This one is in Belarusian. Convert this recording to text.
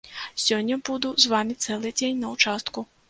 Сёння буду з вамі цэлы дзень на участку.